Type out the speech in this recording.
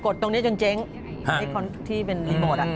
ดตรงนี้จนเจ๊งที่เป็นรีโมท